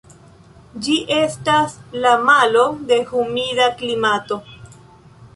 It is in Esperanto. Ĝi estas la malo de humida klimato.